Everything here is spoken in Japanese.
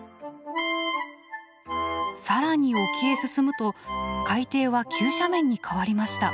更に沖へ進むと海底は急斜面に変わりました。